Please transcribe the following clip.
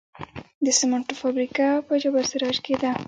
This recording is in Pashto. د سمنټو فابریکه په جبل السراج کې ده